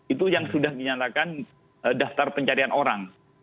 itu yang sudah menyatakan daftar pencarian orang